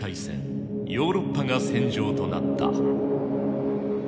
ヨーロッパが戦場となった。